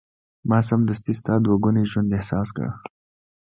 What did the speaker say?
ما سمدستي ستا دوه ګونی ژوند احساس کړ.